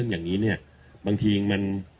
อย่างนี้เนี่ยบางทีมัน